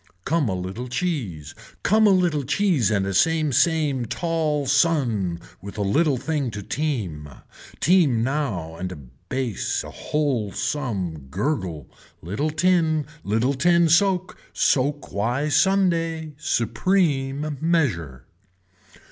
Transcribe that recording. Come a little cheese. Come a little cheese and same same tall sun with a little thing to team, team now and a bass a whole some gurgle, little tin, little tin soak, soak why Sunday, supreme measure.